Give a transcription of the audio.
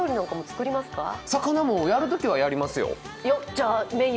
魚もやるときはやりますよ。